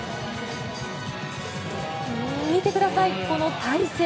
見てください、この体勢。